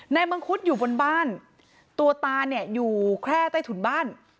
มังคุดอยู่บนบ้านตัวตาเนี่ยอยู่แค่ใต้ถุนบ้าน